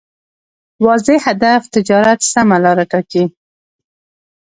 واضح هدف تجارت سمه لاره ټاکي.